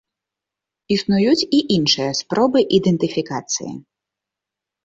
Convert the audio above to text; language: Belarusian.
Існуюць і іншыя спробы ідэнтыфікацыі.